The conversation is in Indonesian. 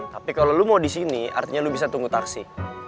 tapi kalo lu mau di sini artinya lu bisa tunggu taksi